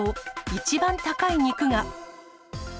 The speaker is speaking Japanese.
一番高い肉が。